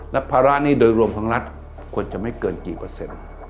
และภาระหนี้โดยรวมของรัฐควรจะไม่เกินกี่เปอร์เซ็นต์